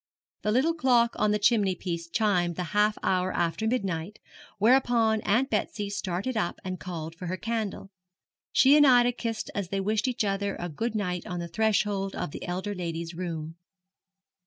The little clock on the chimney piece chimed the half hour after midnight, whereupon Aunt Betsy started up and called for her candle. She and Ida kissed as they wished each other good night on the threshold of the elder lady's room.